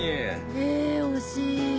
え惜しい。